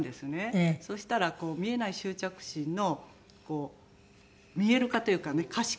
そしたら見えない執着心の見える化というかね可視化。